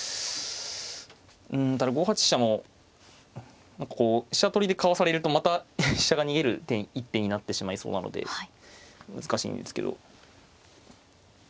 うんただ５八飛車も何かこう飛車取りでかわされるとまた飛車が逃げる一手になってしまいそうなので難しいんですけど。